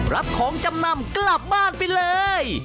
รับของจำนำกลับบ้านไปเลย